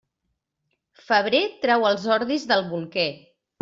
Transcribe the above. Febrer trau els ordis del bolquer.